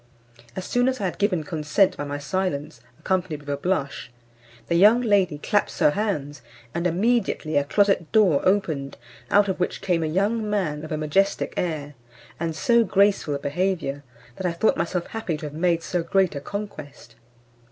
As soon as I had given consent by my silence, accompanied with a blush, the young lady claps her hands, and immediately a closet door opened, out of which came a young man of a majestic air, and so graceful a behaviour, that I thought myself happy to have made so great a conquest.